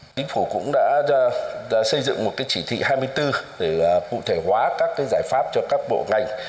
chính phủ cũng đã xây dựng một chỉ thị hai mươi bốn để cụ thể hóa các giải pháp cho các bộ ngành